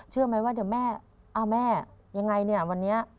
เชื่อไหมว่าเดี๋ยวแม่เอาแม่ยังไงเนี่ยวันนี้